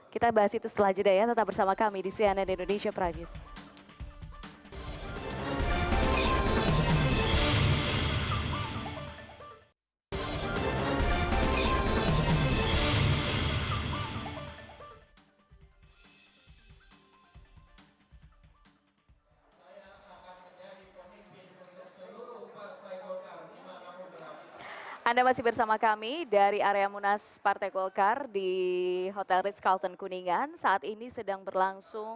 kita bahas itu setelah jadinya ya